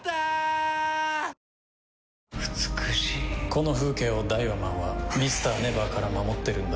この風景をダイワマンはＭｒ．ＮＥＶＥＲから守ってるんだ。